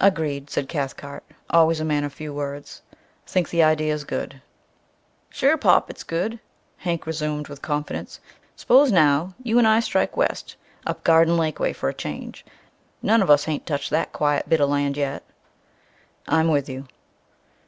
"Agreed," said Cathcart, always a man of few words. "Think the idea's good." "Sure pop, it's good," Hank resumed with confidence. "S'pose, now, you and I strike west, up Garden Lake way for a change! None of us ain't touched that quiet bit o' land yet " "I'm with you."